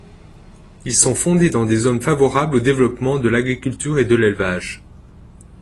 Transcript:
Ils sont fondés dans des zones favorables au développement de l'agriculture et de l'élevage.